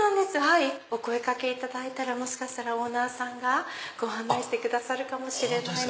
お声かけいただいたらもしかしたらオーナーさんがご案内してくださるかもしれない。